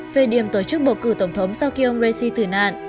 về điểm tổ chức bầu cử tổng thống sau khi ông raisi tử nạn